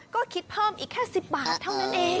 ก็คิดเพิ่มอีกแค่๑๐บาทเท่านั้นเอง